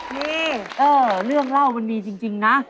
นี่เรื่องเล่ามันมีจริงนะ